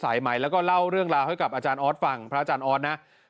พระอาจารย์ออสบอกว่าอาการของคุณแป๋วผู้เสียหายคนนี้อาจจะเกิดจากหลายสิ่งประกอบกัน